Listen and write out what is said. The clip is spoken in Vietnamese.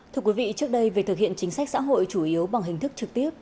thưa quý vị trước đây việc thực hiện chính sách xã hội chủ yếu bằng hình thức trực tiếp